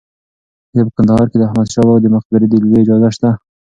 ایا په کندهار کې د احمد شاه بابا د مقبرې د لیدو اجازه شته؟